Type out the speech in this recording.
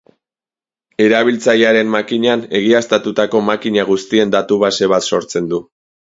Erabiltzailearen makinan, egiaztatutako makina guztien datu-base bat sortzen du.